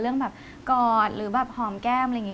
เรื่องแบบกอดหรือแบบหอมแก้มอะไรอย่างนี้